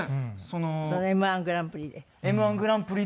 そのＭ−１グランプリで。